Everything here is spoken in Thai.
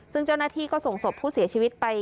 ซึ่งเจ้าหน้าที่ก็ส่งศพผู้เสียชีวิตไป